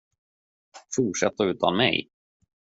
Fortsätta utan mig?